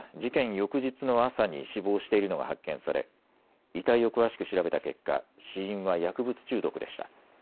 翌日の朝に死亡しているのが発見され遺体を詳しく調べた結果、死因は薬物中毒でした。